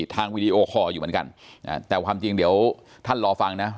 วีดีโอคอร์อยู่เหมือนกันแต่ความจริงเดี๋ยวท่านรอฟังนะ